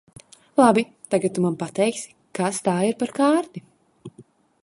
Labi, tagad tu man pateiksi, kas tā ir par kārti?